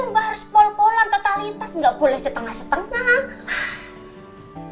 mbak harus pol polan totalitas ga boleh setengah setengah